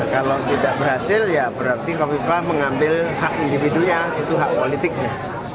kalau tidak berhasil ya berarti kofifa mengambil hak individunya itu hak politiknya